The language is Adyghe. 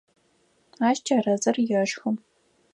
Ащ чэрэзыр ешхы.